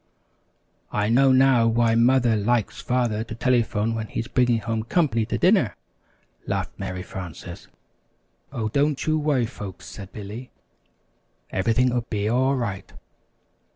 "I know now why Mother likes Father to telephone when he's bringing home company to dinner," laughed Mary Frances. "Oh, don't you worry, folks," said Billy, "everything'll be all right."